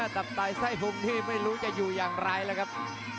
ตับตายไส้พุงนี่ไม่รู้จะอยู่อย่างไรแล้วครับ